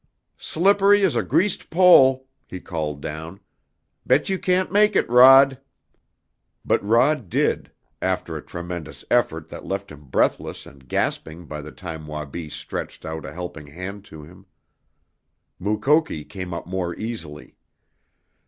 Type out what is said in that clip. "Slippery as a greased pole!" he called down. "Bet you can't make it, Rod!" But Rod did, after a tremendous effort that left him breathless and gasping by the time Wabi stretched out a helping hand to him. Mukoki came up more easily.